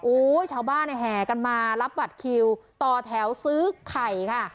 โอ้โฮชาวบ้านแห่กันมารับบัตรคิวต่อแถวซื้อไข่ค่ะ